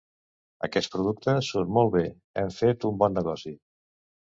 Aquest producte surt molt bé: hem fet un bon negoci.